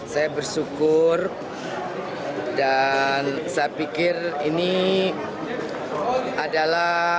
saya bersyukur dan saya pikir ini adalah